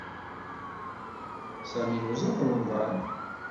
Sami yuẓam Remḍan.